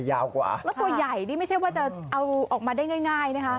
แล้วกับปั๊วใหญ่นี้ก็ไม่ใช่ว่าจะเอาออกมาได้ง่ายนี่ค่ะ